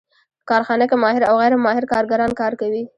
په کارخانه کې ماهر او غیر ماهر کارګران کار کوي